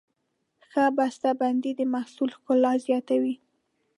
ښه بسته بندي د محصول ښکلا زیاتوي.